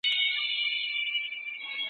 استازي ولي مجلس ته ځي؟